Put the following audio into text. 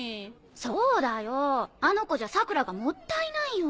そうだよあの子じゃ桜良がもったいないよ。